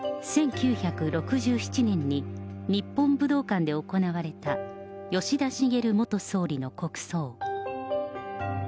１９６７年に日本武道館で行われた吉田茂元総理の国葬。